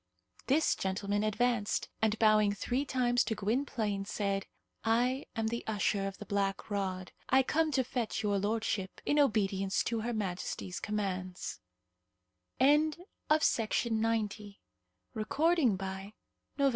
This gentleman advanced, and, bowing three times to Gwynplaine, said, "I am the Usher of the Black Rod. I come to fetch your lordship, in obedience to her Majesty's commands." BOOK THE EIGHTH. _THE CAPITOL AND THINGS AROUND IT.